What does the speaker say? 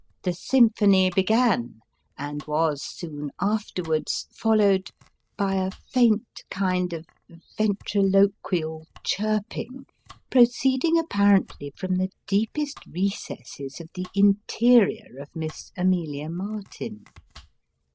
The symphony began, and was soon afterwards followed by a faint kind of ventriloquial chirping, proceeding apparently from the deepest recesses of the interior of Miss Amelia Martin.